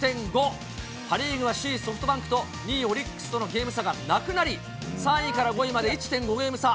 パ・リーグは首位ソフトバンクと２位オリックスとのゲーム差がなくなり、３位から５位まで１．５ゲーム差。